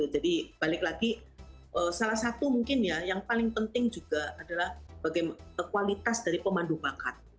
jadi balik lagi salah satu mungkin ya yang paling penting juga adalah bagaimana kualitas dari pemandu bakat